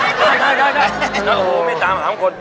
โอ้โหไม่ตามหาคน